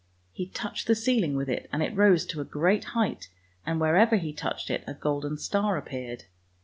He touched the ceiling with it and it rose to a great height, and wherever he touched it a golden star appeared.